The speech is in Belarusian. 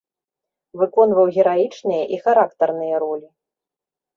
Выконваў гераічныя і характарныя ролі.